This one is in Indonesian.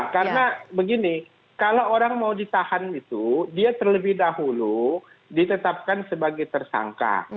karena begini kalau orang mau ditahan itu dia terlebih dahulu ditetapkan sebagai tersangka